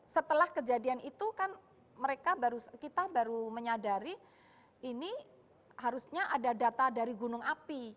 setelah kejadian itu kan mereka kita baru menyadari ini harusnya ada data dari gunung api